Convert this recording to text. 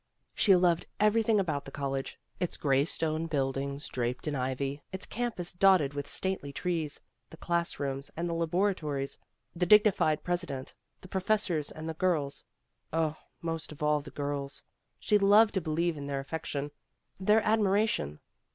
She loved every thing about the college, its gray stone buildings draped in ivy, its campus dotted with stately trees, the class rooms and the laboratories, the dignified president, the professors and the girls oh, most of all, the girls. She loved to be lieve in their affection, their admiration.